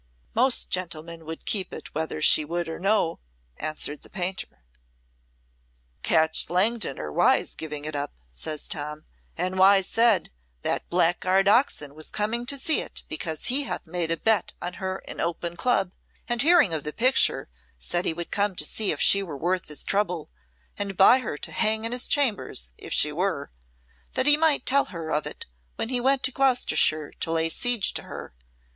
"Most gentlemen would keep it whether she would or no," answered the painter. "Catch Langdon or Wyse giving it up," says Tom. "And Wyse said, that blackguard Oxon was coming to see it because he hath made a bet on her in open club, and hearing of the picture, said he would come to see if she were worth his trouble and buy her to hang in his chambers, if she were that he might tell her of it when he went to Gloucestershire to lay siege to her.